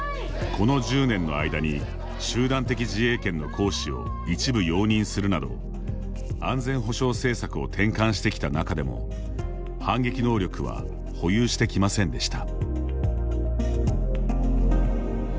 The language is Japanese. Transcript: この１０年の間に集団的自衛権の行使を一部容認するなど安全保障政策を転換してきた中でも反撃能力は保有してきませんでした。